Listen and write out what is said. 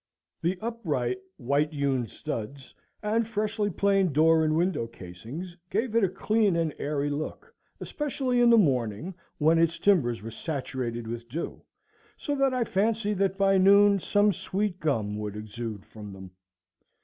The upright white hewn studs and freshly planed door and window casings gave it a clean and airy look, especially in the morning, when its timbers were saturated with dew, so that I fancied that by noon some sweet gum would exude from them.